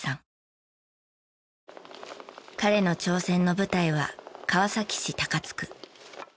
彼の挑戦の舞台は川崎市高津区。